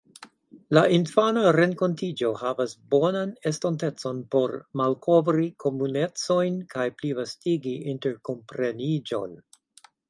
La infana renkontiĝo havas bonan estontecon por malkovri komunecojn kaj plivastigi interkompreniĝon.